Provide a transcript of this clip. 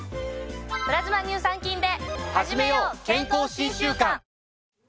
プラズマ乳酸菌で。